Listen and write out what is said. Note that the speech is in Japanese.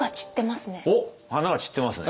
花が散ってますね。